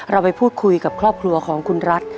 เราไปพูดคุยกับครอบครัวของคุณรัฐ